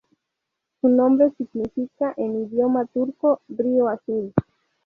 Su nombre significa en idioma turco "río azul".